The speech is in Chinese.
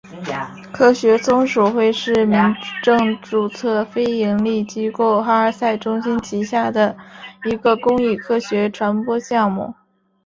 科学松鼠会是民政注册非营利机构哈赛中心旗下的一个公益科学传播项目。